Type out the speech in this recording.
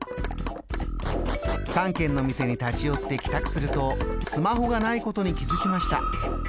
３軒の店に立ち寄って帰宅するとスマホがないことに気付きました。